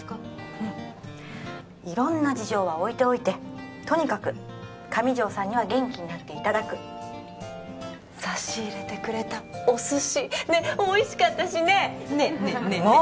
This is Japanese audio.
うん色んな事情は置いておいてとにかく上条さんには元気になっていただく差し入れてくれたお寿司おいしかったしねねっねっもう！